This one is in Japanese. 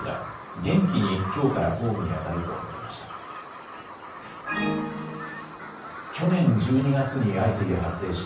元気にきょうから公務に当たると述べました。